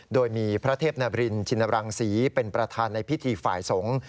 โดยมีพระเทพนบรินชินรังศรีเป็นประธานในพิธีฝ่ายสงฆ์